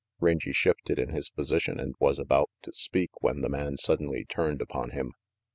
Rangy shifted in his position and was about to speak, when the man suddenly turned upon him.